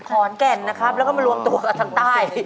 ขอนแก่นนะครับแล้วก็มารวมตัวกับทางใต้